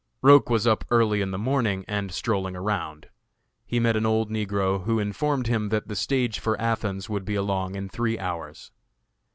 Roch was up early in the morning and strolling around. He met an old negro who informed him that the stage for Athens would be along in three hours.